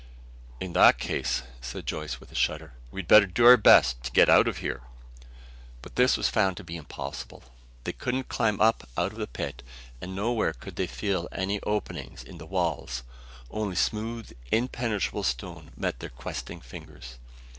"In that case," said Joyce with a shudder, "we'd better do our best to get out of here!" But this was found to be impossible. They couldn't climb up out of the pit, and nowhere could they feel any openings in the walls. Only smooth, impenetrable stone met their questing fingers.